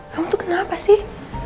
kamu tuh kenapa sih